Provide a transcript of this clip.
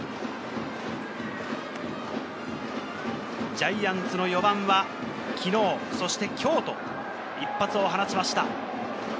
ジャイアンツの４番は、昨日、そして今日と一発を放ちました。